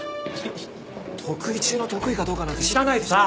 得意中の得意かどうかなんて知らないでしょ！